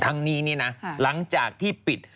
ทั้งนี้เนี่ยนะหลังจากที่ปิด